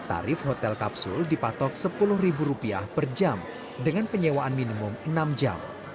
tarif hotel kapsul dipatok rp sepuluh per jam dengan penyewaan minimum enam jam